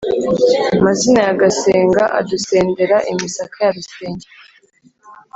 Mazina ya Gasenga Adusendera imisaka ya Rusenge